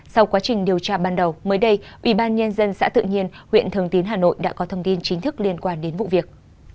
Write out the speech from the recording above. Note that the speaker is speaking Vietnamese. sau quá trình điều tra ban đầu mới đây ủy ban nhân dân xã tự nhiên huyện thường tín hà nội đã có thông tin chính thức liên quan đến vụ việc